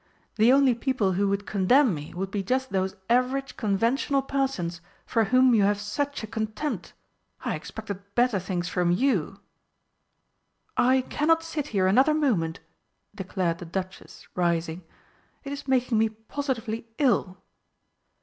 The only people who would condemn me would be just those average conventional persons for whom you have such a contempt. I expected better things from you!" "I cannot sit here another moment," declared the Duchess, rising. "It is making me positively ill!"